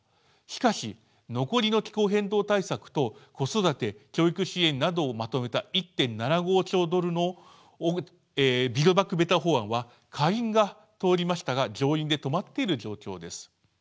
しかし残りの気候変動対策と子育て・教育支援などをまとめた１．７５兆ドルのビルド・バック・ベター法案は下院が通りましたが上院で止まっている状況です。